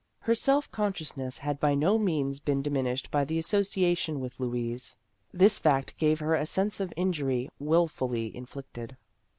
Her self consciousness had by no means been diminished by the association with Louise ; this fact gave her a sense of injury wilfully inflicted.